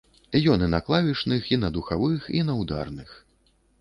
Ён і на клавішных, і на духавых, і на ўдарных.